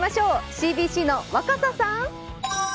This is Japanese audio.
ＣＢＣの若狭さん。